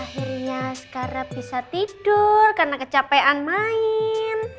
akhirnya sekarang bisa tidur karena kecapean main